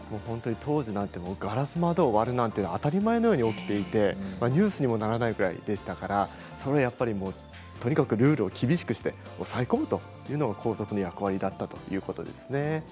当時ガラス窓を割るなんて当たり前のように起きていてニュースにもならないぐらいでしたからとにかくルールを厳しくして抑え込むというのが校則の役割だったということですね。